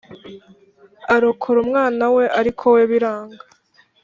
arokora umwana we ariko we biranga.”